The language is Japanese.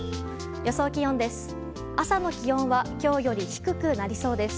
予想気温です。